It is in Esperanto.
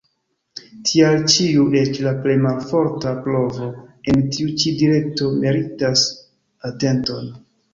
Tial ĉiu eĉ la plej malforta provo en tiu ĉi direkto meritas atenton.